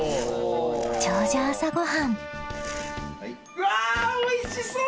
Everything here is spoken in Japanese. うわおいしそう！